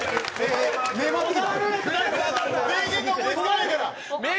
名言が思いつかないから。